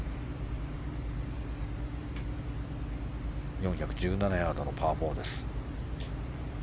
４１７ヤードのパー４。